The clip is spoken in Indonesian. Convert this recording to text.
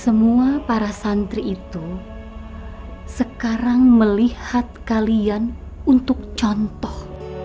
semua para santri itu sekarang melihat kalian untuk contoh